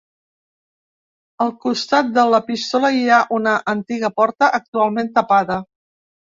Al costat de l'epístola, hi ha una antiga porta actualment tapada.